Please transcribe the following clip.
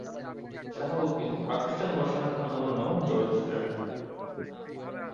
শাহাবুদ্দিন পাকিস্তান গঠনের আন্দোলনেও জড়িত ছিলেন।